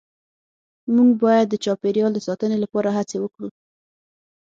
مونږ باید د چاپیریال د ساتنې لپاره هڅې وکړو